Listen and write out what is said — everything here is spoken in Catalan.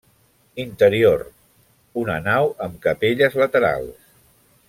Interior: una nau amb capelles laterals.